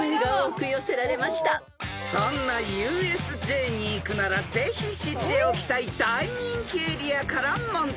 ［そんなＵＳＪに行くならぜひ知っておきたい大人気エリアから問題］